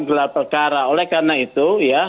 gelar perkara oleh karena itu ya